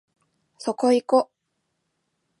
そこいこ